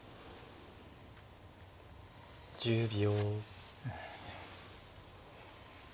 １０秒。